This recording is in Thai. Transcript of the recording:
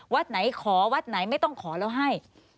วัดไหนขอวัดไหนไม่ต้องขอแล้วให้